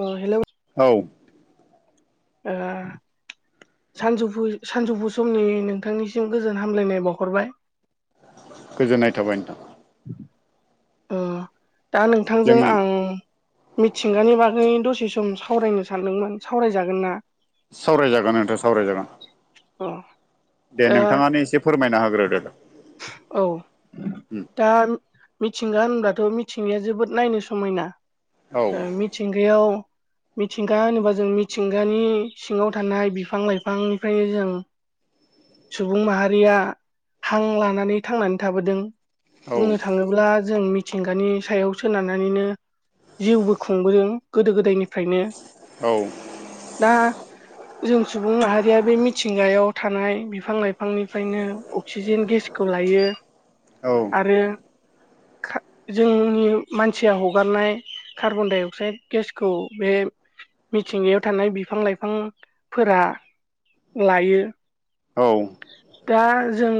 औ हेलौ औ ओ सानजौफु सानजौफु समनि नोंथांनिसिम गोजोन हामलायनाय बावहरबाय गोजोननाय थाबाय नोंथां। अ दा नोंथांजों जोङो आं मिथिंगानि बागै दसे सम सावरायनो सानदोंमोन सावरायजागोनना सावराय जागोन नोंथां सावराय जागोन अ दे दा नोंथाङानो एसे फोरमायना होग्रोदो। औ दा मि थिंगा होनब्लाथ' मिथिंगाया जोबोद नायनो समायना औ मिथिंगायाव मिथिंगा होनोबा जों मिथिंगानि सिङाव थानाय बिफां लाइफांनिफ्राय बाहायो जों सुबुं माहारिया हां लानानै थांनानै थाबोदों। औ बुंनो थाङोब्ला जों मि थिंगानि सायाव सोनारनानैनो जिउबो खुंबोदों गोदो गोदायनि फ्रायनो औ ना जों सुबुं माहारिया बे मिथिंगायाव थानाय बिफां लाइफांनिफ्रायनो अक्सिजेन गेसखौ लायो। औ आरो जोंनि मानसिया हगारनाय कार्बनडाइ अक्साइड गेसखौ बे मिथिंगायाव थानाय बिफां लाइफांफोरा लायो। औ दा जों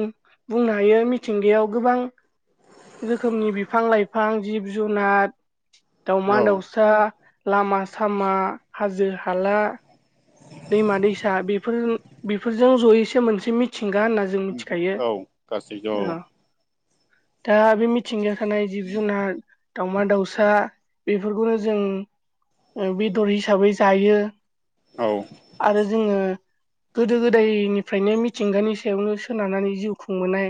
बुंनो हायो मिथिंगायाव गोबां रोखोमनि बिफां लाइफां जिब जुनार दावमा औ दाउसा लामा सामा हाजो हाला दैमा दैसा बेफोर बेफोरजों जयैसो मोनसे मिथिं गा होनना जों मिथिखायो। औ गासैबो दा बे मिथिंगायाव थानाय जिब जुनार दाउमा दाउसा बेफोरखौनो जों बेदर हिसाबै जायो। औ आरो जोङो गोदो गोदायनिफ्रायनो मिथिंगानि सायावनो सोनारनानै जिउ खुंबोनाय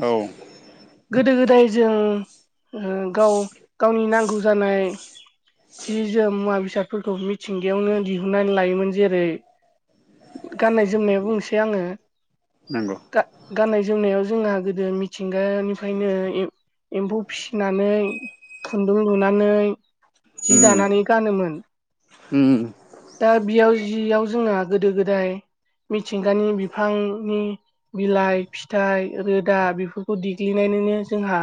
औ गोदो गोदाय जों ओ गाव गावनि नांगौ जानाय जि जोम मुवा बेसाद फोरखौ मिथिंगायावनो दिहुननानै लायोमोन। जेरै गाननाय जोमनायाव बुंसै आङो नंगौ गाननाय जोमनायाव जोंहा गोदो मिथिंगानिफ्रायनो एम्फौ फिसिनानै खुन्दुं लुनानै जि उम दानानै गानोमोन उम दा बेयाव जियाव जोंना गोदो गोदाय मिथिंगानि बिफांनि बिलाइ फिथाइ रोदा बेफोरखौ देग्लिनाय बिनिनो जोंहा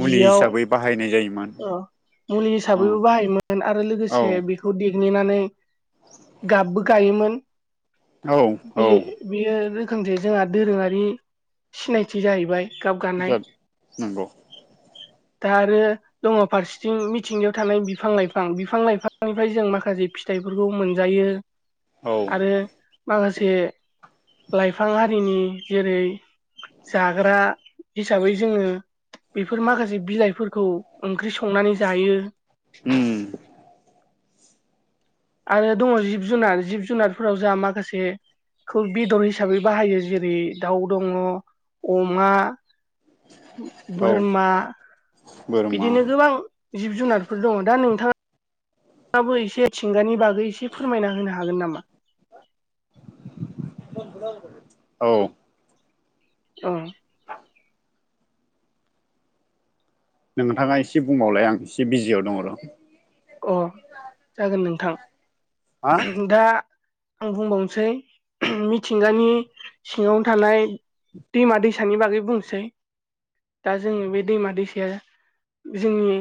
मुलि हिसाबै बाहायनाय जायोमोन अ मुलि औ हिसाबैबो बाहायोमोन आरो औ लोगोसे बेखौ दे ग्लिनानै गाबबो गायोमोन औ औ बे बेयो [unintelligible] से जोंहा दोरोङारि सिनायथि जाहैबाय। गाब गानाय [unintelligible] नोंगौ। दा आरो दङ फारसेथिं मिथिंगायाव थानाय बिफां लाइफां बिफां लाइफांनिफ्राय जों माखा से फिथाइफोरखौ मोनजायो औ आरो माखा से लाइफां हारिनि जेरै जाग्रा हिसाबै जोङो बेफोर माखासे बिलाइफोरखौ ओंख्रि स संनानै जायो। उम आरो दङ' जिब-जुनार जिब-जुनारफोराव जाहा माखासे खौ बेदर हिसाबै बाहायो जेरै दाउ दङ अमा औ बोरमा बोरमा बिदिनो गोबां जिब-जुनारफोर दङ दा नोंथां आबो एसे थिंगानि बागै एसे फोरमायना होनो हागोन नामा? औ अ नोंथाङा एसे बुंबावलाय आं एसे बिजियाव दङ र' अ जागोन नोंथां हा दा आं बुंबावनसै मिथिंगानि सिङावनो थानाय दैमा दैसानि बागै बुंसै। दा जोङो बे दैमा दैसाया जोंनि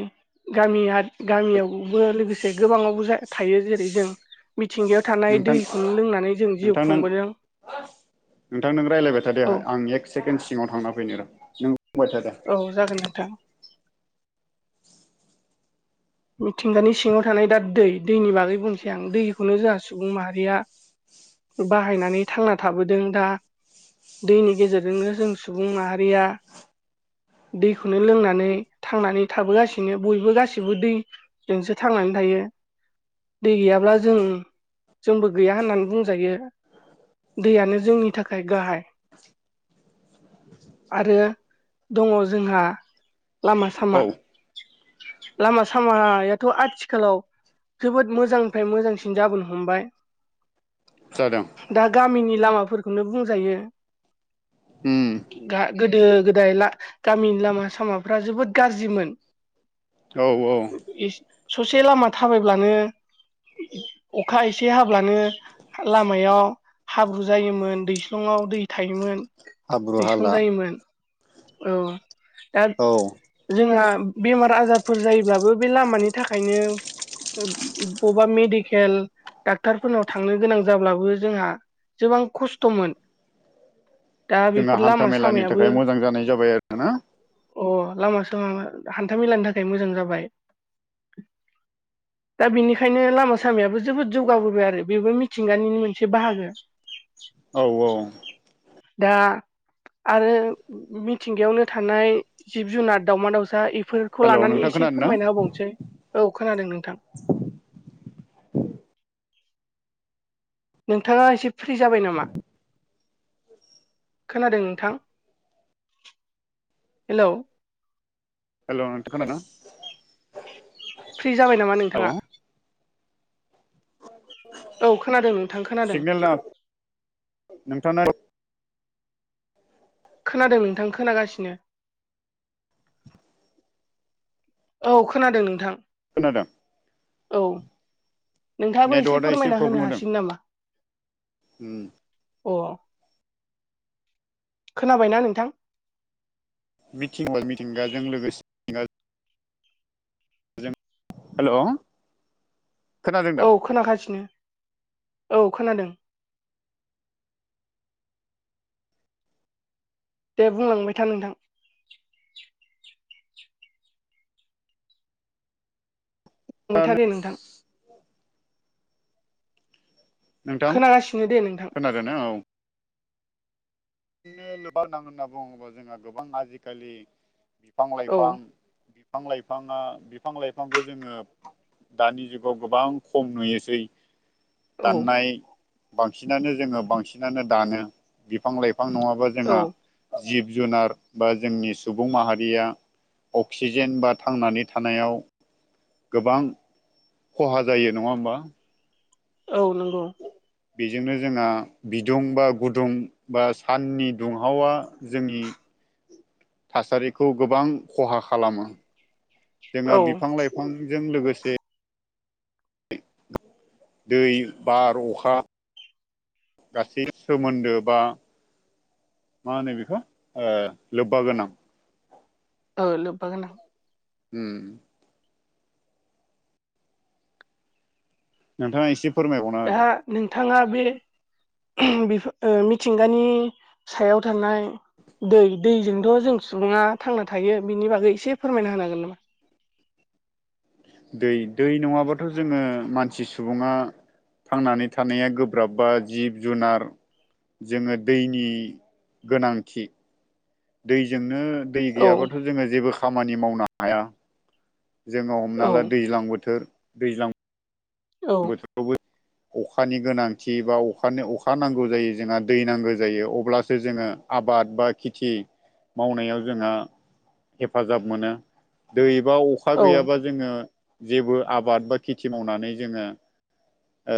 गामि हाथ गामियाव बो लोगोसे गोबाङावबो जा थायो जेरै जों मिथिंगायाव थानाय नोंथां दैखौनो नोंथां लोंनानै जों जिउ नों खुंबोदों। नोंथां नों रायज्लायबाय थादे औ आं एक सेकेण्ड सिङाव थांना फैनो र' नों बुंबाय थादो औ जागोन नोंथां। मिथिंगानि सिङाव थानाय दा दै दैनि बागै बुंसै आं दैखौनो जोहा सुबुं माहारिया बाहायनानै थांना थाबोदों दा दैनि गेजेरजोंनो जों सुबुं माहारिया दैखौनो लोंनानै थांनानै थाबोगासिनो बयबो गासिबो दै जोंसो थांनानै थायो। दै गैयाब्ला जों जोंबो गैया होननानै बुंजायो। दैयानो जोंनि थाखाय गाहाय आरो दङ जोंहा लामा सामा औ लामा सामायाथ' आथिखालाव जोबोद मोजांनिफ्राय मोजांसिन जाबोनो‌ हमबाय जादों। दा गामिनि लामाफोरखौनो बुंजायो हम गा गोदो गोदाय ला गामिनि लामा सामाफ्रा जोबोद गाज्रिमोन। औ औ। ससे लामा थाबायब्लानो अखा एसे हाब्लानो लामायाव हाब्रु जायोमोन दैस्लंआव दै थायोमोन। हाब्रु दैस्लं हाला जायोमोन औ दा औ जोंहा बेमार आजारफोर जायोब्लाबो बे लामानि थाखायनो ओ बबबा मेडिकेल डाक्टरफोरनाव थांनो गोनां जाब्लाबो जोंहा जोबां खसथ'मोन। दा जोंहा बेफोर हान्था लामा मेलानि सामायाबो थाखाय मोजां जानाय जाबाय आरो ना अ लामा सामा हानथा मेलानि थाखाय मोजां जाबाय। दा बिनिखायनो लामा सामायाबो जोबोद जौगाबोबाय आरो बेबो मिथिंगानि मोनसे बाहागो। औ औ दा आरो मिथिंगायावनो थानाय जिब-जुनार दाावमा- दाउसा एफो खौ हेल' लानानै नोंथां एसे खोनादों ना फोरमायना होबावनोसै औ खोनादों नोंथां नोंथाङा एसे फ्रि जाबाय नामा? खोनादों नोंथां हेलौ हेलौ नोंथां खोनादों ना? फ्रि जाबाय नामा नोंथाङा औ खोनादों नोंथां खोनादों सिगनेला नोंथाङा खोनादों नोंथां खोनागासिनो औ खोनादों नोंथां खोनादों औ नोंथाङाबो नेटवार्कआ एसे फोरमायना होनो प्रब्लेम होदों हासिगोन नामा उम अ खोनाबायना नोंथां मिथिं मिथिंगाजों लोगोसे [unintelligible] जों हेलौ औ खोनाखासिनो औ खोनादों दे बुंलांबाय था नोंथां बुंबायथादे नोंथां नोंथां खोनागासिनो दे नोंथां खोनादों ना औ [unintelligible] होनना बुङोबा जोंहा गोबां आजिखालि बिफां औ लाइफां बिफां लाइफाङा बिफां लाइफांखौ जोङो दानि जुगाव गोबां खम नुयोसै औ दाननाय बांसिनानो जोङो बांसिनानो दानो बिफां बिफां नङाबा जोंहा औ जिब जुनार बा जोंनि सुबुं माहारिया अक्सिजेन बा थांनानै थानायाव गोबां खहा जायो नङा होमबा औ नंगौ बेजोंनो जोंहा बिदुं बा गुदुं बा साननि दुंहावा जोंनि [inaudible] थासारिखौ गोबां खहा खालामो जोंहा औ बिफां लाइफांजों लोगोसे दै बार अखा गासै सोमोन्दो बा मा होनो बेखौ ओ लोबबा गोनां औ लोबबा गोनां उम नोंथाङा एसे फोरमायबावनो हो दे थाङा बे बि मिथिंगानि सायाव थानाय दै दैजोंथ' जों सुबुङा थांना थायो बिनि बागै एसे फोरमायना होनो हागोन नामा दै दै नङाबाथ' जोङो मानसि सुबुङा थांनानै थानाया गोब्राब बा जिब जुनार जोङो दैनि गोनांथि दैजोंनो दै औ गैयाबाथ' जोङो जेबो खामानि मावनो हाया जोङो हमना औ ला दैज्लां बोथोर दैज्लां औ बोथोरावबो अखानि गोनांथि बा अखानि अखा नांगौ जायो जोंहा दै नांगौ जायो अब्लासो जोङो आ बाद बा खेथि मावनायाव जोंहा हेफाजाब मोनो दै बा अखा औ गैयाबा जोङो जेबो आबाद बा खेथि मावनानै जोङो ओ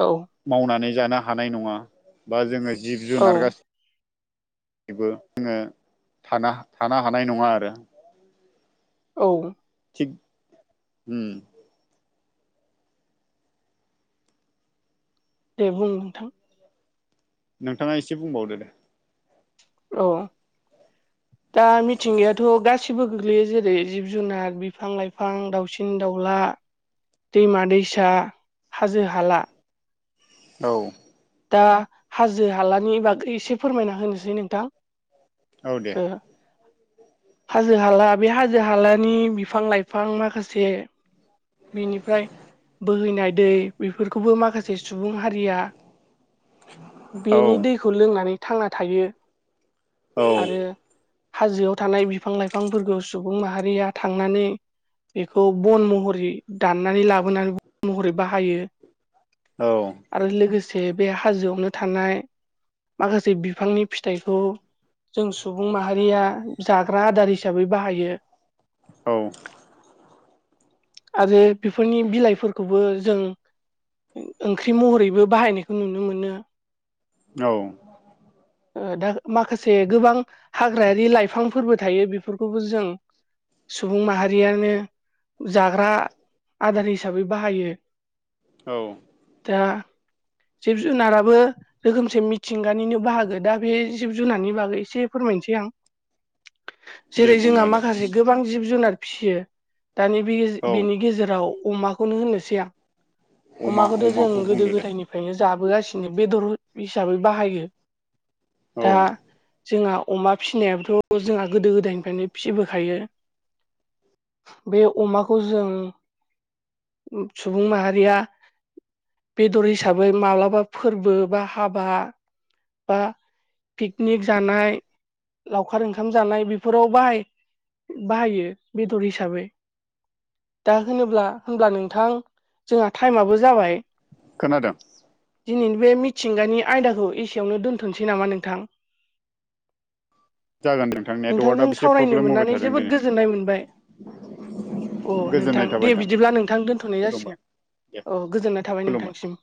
औ मावनानै जानो हानाय नङा बा जोङो जिब औ जुनार गासि बो जोङो थानो हानाय नङा आरो औ थिग उ दे बुं नोंथां नोंथाङा एसे बुंबावदो दे औ दा मिथिंगायाथ' गासिबो गोग्लैयो जेरै जिब जुनार बिफां लाइफां दाउसिन दाउला दैमा दैसा हाजो हाला औ दा हाजो हालानि बागै एसे फोरमायना होनोसै नोंथां। औ दे ओ हाजो हाला बे हाजो हालानि बिफां लाइफां माखासे बिनिफ्राय बोहैनाय दै बेफोरखौबो माखासे सुबुं हारिया औ बेनि दैखौ लोंनानै थांना थायो औ आरो हाजोआव थानाय बिफां लाइफांफोरखौ सुबुं माहारिया थांनानै बेखौ बन महरै दाननानै लाबोनानै बन महरै बाहायो। औ आरो लोगोसे बे हाजोआवनो थानाय माखासे बिफांनि फिथाइखौ जों सुबुं माहारिया जाग्रा आदार हिसाबै बाहायो औ आरो बेफोरनि बिलाइफोरखौबो जों ओंख्रि महरैबो बाहायनायखौ नुनो मोनो। औ ओ दा माखासे गोबां हाग्रायारि लाइफांफोरबो थायो बेफोरखौबो जों सुबुं माहारियानो जाग्रा आदार हिसाबै बाहायो औ दा [inaudible] जिब जुनाराबो रोखोमसे मिथिंगानिनो बाहागो दा बे जिब जुनारनि बागै एसे फोरमायनोसै आं दे जेरै बुंना जोंहा होदो माखासे गोबां जिब जुनार फिसियो दानि औ बिनि गेजेराव अमाखौनो होननोसै आं अमा अमाखौथ' जों अमाखौ गोदो बुंदो दे गोदायनिफ्रायनो जाबोगासिनो बेदर हिसाबै बाहायो औ दा जोंहा अमा फिसिनायाबोथ' जोंहा गोदो गोदायनिफ्रायनो फिसिबोखायो बे अमाखौ जों सुबुं माहारिया बेदर हिसाबै माब्लाबा फोरबो बा हाबा बा पिकनिक जानाय लावखार ओंखाम जानाय बेफोराव बाहाय बाहायो बेदर हिसाबै दा होनोब्ला होनब्ला नोंथां जोंहा टाइमाबो जाबाय खोनादों दिनैनि बे मिथिंगानि आयदाखौ एसेयावनो दोनथ'नोसै नामा नोंथां जागोन नोंथां नेटवार्कआ नोंथांजों एसे सावरायनो प्रब्लेम होबाय मोननानै थादों जोबोद दिनै गोजोननाय मोनबाय। अ नोंथां गोजोननाय थाबाय दे बिदिब्ला नोंथां दोनथ'नाय खुलुमबाय जासिगोन दे औ गोजोननाय थाबाय खुलुमबाय नोंथांसिम